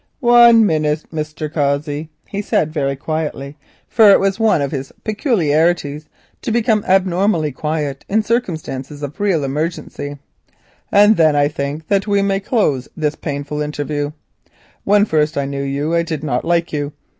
"One minute, Mr. Cossey," he said very quietly, for it was one of his peculiarities to become abnormally quiet in circumstances of real emergency, "and then I think that we may close this painful interview. When first I knew you I did not like you.